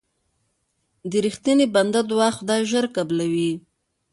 د رښتیني بنده دعا خدای ژر قبلوي.